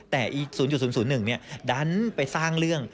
แต่อีก๐๐๑ดันไปสร้างเรื่อง